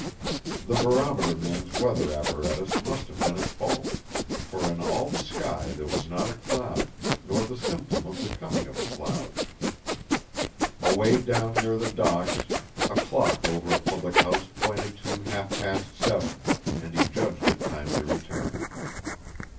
The Barometer man's weather apparatus must have been at fault, for in all the sky there was not a cloud, nor the symptom of the coming of a cloud. Away down near the docks, a clock over a public house pointed to half past seven, and he judged it time to return.